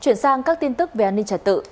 chuyển sang các tin tức về an ninh trật tự